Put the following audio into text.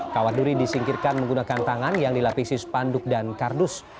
kawat duri disingkirkan menggunakan tangan yang dilapisi spanduk dan kardus